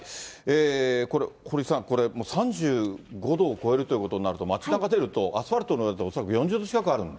これ、堀さん、３５度を超えるということになると、街なか出ると、アスファルトの上、恐らく４０度近くあるんで。